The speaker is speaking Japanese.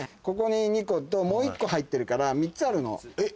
ここに２個ともう１個入ってるから３つあるの。